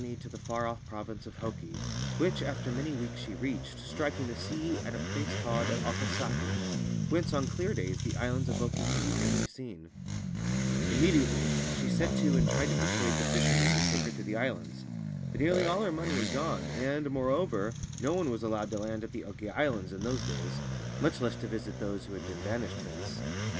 102 O TOKOYO SEES THE GIRL ABOUT TO BE THROWN OVER CLIFF A Story of Oki Islands long journey to the far off province of Hoki, which, after many weeks she reached, striking the sea at a place called Akasaki, whence on clear days the Islands of Oki can be dimly seen. Immediately she set to and tried to persuade the fishermen to take her to the Islands ; but nearly all her money had gone, and, moreover, no one was allowed to land at the Oki Islands in those days — much less to visit those who had been banished thence.